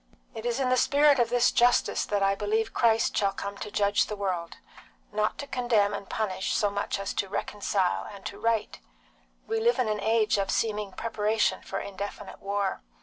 "It is in the spirit of this justice that I believe Christ shall come to judge the world; not to condemn and punish so much as to reconcile and to right. We live in an age of seeming preparation for indefinite war.